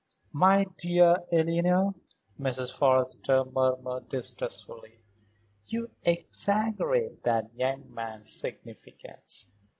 "My dear Eleanor," Mrs. Forrester murmured distressfully. "You exaggerate that young man's significance."